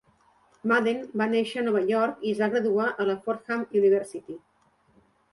Madden va néixer a Nova York i es va graduar a la Fordham University.